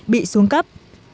bị xuống cấp